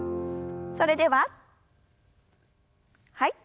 それでははい。